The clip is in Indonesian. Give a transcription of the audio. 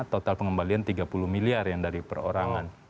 total pengembalian tiga puluh miliar yang dari perorangan